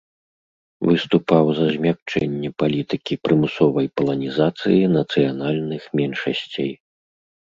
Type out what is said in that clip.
Выступаў за змякчэнне палітыкі прымусовай паланізацыі нацыянальных меншасцей.